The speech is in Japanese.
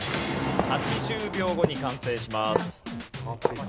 ８０秒後に完成します。